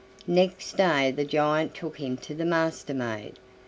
Next day the giant took him to the Master maid.